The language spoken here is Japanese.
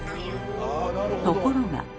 ところが。